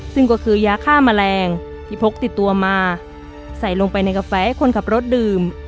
ซึ่งก็คือยาฆ่าแมลงที่พกติดตัวมาใส่ลงไปในกาแฟให้คนขับรถดื่ม